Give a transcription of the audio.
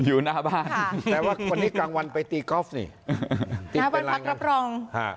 ค่ะแปลว่าวันนี้กลางวันไปตีก็อล์ฟนี่ขนาดพลังรับรอง